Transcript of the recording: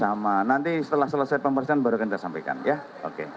sama nanti setelah selesai pemeriksaan baru akan kita sampaikan ya oke